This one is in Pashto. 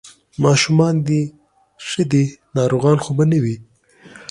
ماشومان دې ښه دي، ناروغان خو به نه وي؟